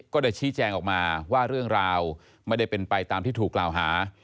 ก็ได้ชี้แจงออกมาว่าเรื่องราวไม่ได้เป็นไปตามที่ถูกกล่าวหา